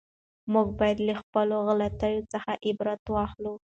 موږ باید له خپلو غلطیو څخه عبرت واخلو.